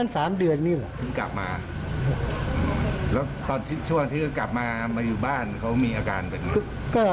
แล้วช่วงที่กลับมาอยู่บ้านเขามีอาการเป็นยังไง